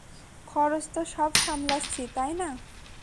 খরচ তো সব সামলাচ্ছি, তাই না?